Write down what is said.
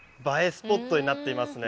スポットになっていますね